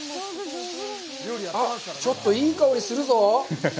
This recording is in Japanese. ちょっと、いい香りするぞ。